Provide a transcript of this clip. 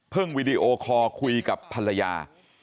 เพิ่งวิดีโอคอร์คุยกับภรรยา